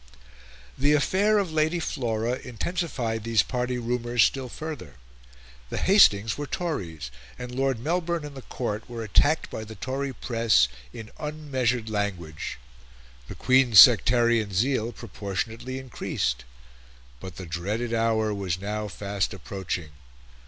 The affair of Lady Flora intensified these party rumours still further. The Hastings were Tories, and Lord Melbourne and the Court were attacked by the Tory press in unmeasured language. The Queen's sectarian zeal proportionately increased. But the dreaded hour was now fast approaching.